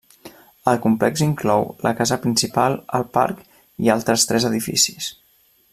El complex inclou, la casa principal, el parc i altes tres edificis.